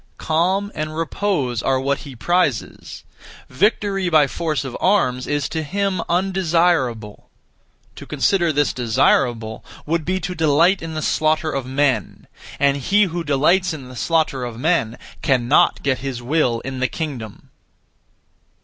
Calm and repose are what he prizes; victory (by force of arms) is to him undesirable. To consider this desirable would be to delight in the slaughter of men; and he who delights in the slaughter of men cannot get his will in the kingdom.